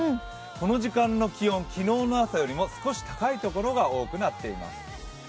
この時間の気温、昨日の朝よりも少し高いところが多くなっています。